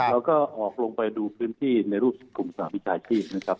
แล้วก็ออกลงไปดูพื้นที่ในรูปสนามวิจัยที่นะครับ